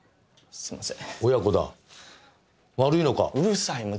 すいません！